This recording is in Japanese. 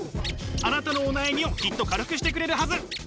あなたのお悩みをきっと軽くしてくれるはず。